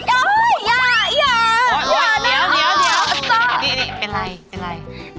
เอ้าไม่นะอย่าอย่าอย่านะครับอ้าวเถอะนี่เป็นอะไร